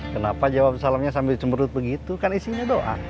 kenapa jawab salamnya sambil cemberut begitu kan isinya doa